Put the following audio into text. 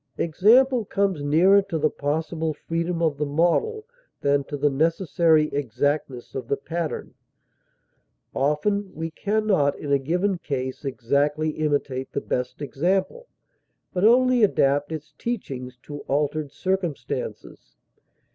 Example comes nearer to the possible freedom of the model than to the necessary exactness of the pattern; often we can not, in a given case, exactly imitate the best example, but only adapt its teachings to altered circumstances.